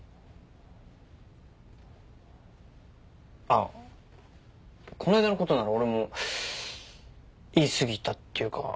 あっこの間のことなら俺も言い過ぎたっていうか。